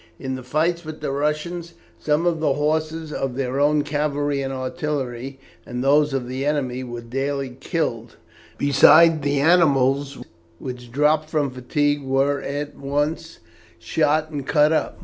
In the fights with the Russians some of the horses of their own cavalry and artillery, and those of the enemy, were daily killed, besides the animals which dropped from fatigue were at once shot and cut up.